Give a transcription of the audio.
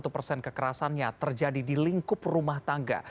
lima puluh delapan satu persen kekerasannya terjadi di lingkup rumah tangga